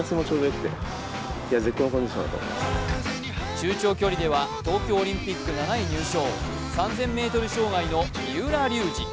中長距離では東京オリンピック７位入賞、３０００ｍ障害の三浦龍司。